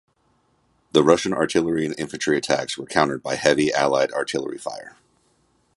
The Russian artillery and infantry attacks were countered by heavy Allied artillery fire.